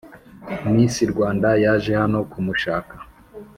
miss rwanda yaje hano kumushaka